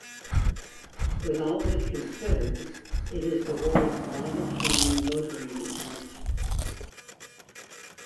With all this considered, it is the world's longest running motoring event.